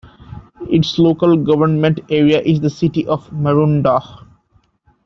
Its local government area is the City of Maroondah.